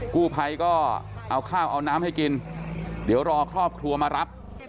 กู้ภัยก็เอาข้าวเอาน้ำให้กินเดี๋ยวรอครอบครัวมารับ